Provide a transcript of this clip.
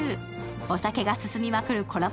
お酒が進みまくるコラボ